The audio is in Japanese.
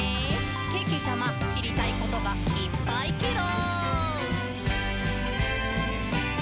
けけちゃま、しりたいことがいっぱいケロ！」